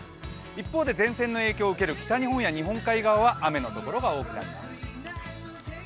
一方で前線の影響を受ける北日本は日本海側は雨の所が多くなります。